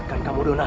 adakah pada lah